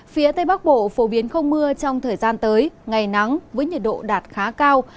phía tây bắc bộ phổ biến không mưa trong thời gian tới ngày nắng với nhiệt độ đạt khá cao